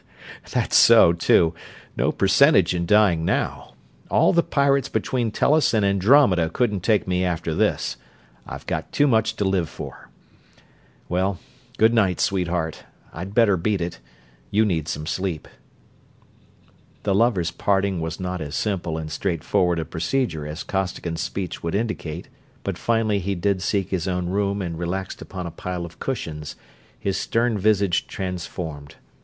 "That's so, too no percentage in dying now. All the pirates between Tellus and Andromeda couldn't take me after this I've got too much to live for. Well, good night, sweetheart, I'd better beat it you need some sleep." The lovers' parting was not as simple and straightforward a procedure as Costigan's speech would indicate, but finally he did seek his own room and relaxed upon a pile of cushions, his stern visage transformed.